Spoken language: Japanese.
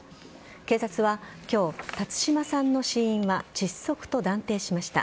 警察は今日、辰島さんの死因は窒息と断定しました。